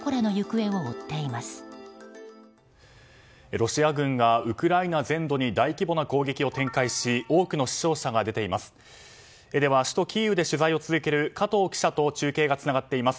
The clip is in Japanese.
ロシア軍がウクライナ全土に大規模な攻撃を展開し多くの死傷者が出ています。